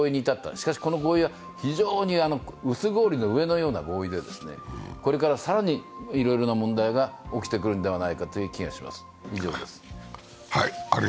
しかし、この合意は非常に薄氷の上のような合意でこれから更にいろいろな問題が起きてくるんではないかという気がします。